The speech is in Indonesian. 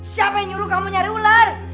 siapa yang nyuruh kamu nyari ular